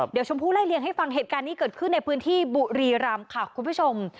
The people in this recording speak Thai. เดี๋ยวชมพู่ไล่เลี่ยงให้ฟังเหตุการณ์นี้เกิดขึ้นในพื้นที่บุรีรำค่ะคุณผู้ชม